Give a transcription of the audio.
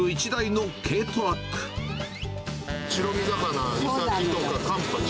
白身魚、イサキとかカンパチ。